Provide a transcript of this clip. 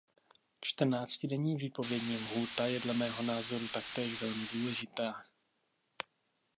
Čtrnáctidenní výpovědní lhůta je dle mého názoru taktéž velmi důležitá.